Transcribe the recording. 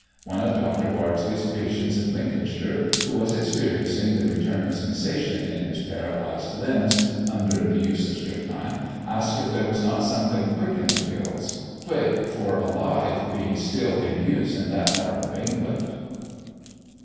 One of Dr. Bardesley's patients in Lincolnshire, who was experiencing the return of sensation in his paralyzed limbs, under the use of strychnine, asked if there was not something quick in the pills; quick for alive being still in use in that part of England.